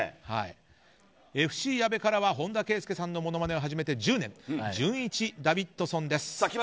ＦＣ矢部からは本田圭佑さんのモノマネを始めて１０年じゅんいちダビッドソンです。